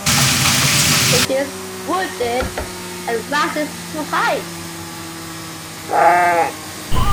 It is wooded, and rises to height.